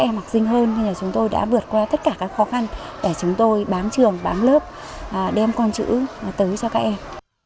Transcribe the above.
các em học sinh hơn nên là chúng tôi đã vượt qua tất cả các khó khăn để chúng tôi bám trường bám lớp đem con chữ tới cho các em